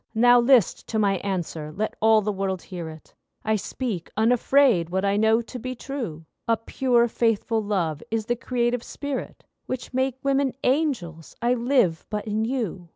Now list to my answer—let all the world hear it, I speak unafraid what I know to be true— A pure, faithful love is the creative spirit Which make women angels! I live but in you.